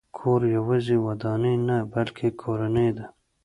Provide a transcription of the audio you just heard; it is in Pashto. کور یوازې ودانۍ نه، بلکې کورنۍ ده.